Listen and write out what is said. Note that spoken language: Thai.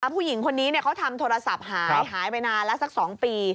ผู้หญิงคนนี้เขาทำโทรศัพท์หายหายไปนานแล้วสัก๒ปี